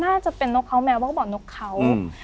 น่าจะเป็นนกเขาแมวก็บอกนกเขา